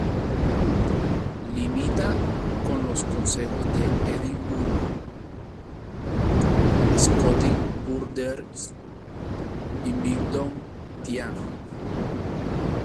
Limita con los concejos de Edimburgo, Scottish Borders y Midlothian.